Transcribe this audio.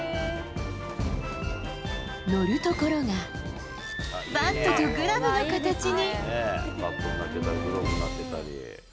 乗る所が、バットとグラブの形に。